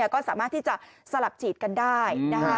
ก็สามารถที่จะสลับฉีดกันได้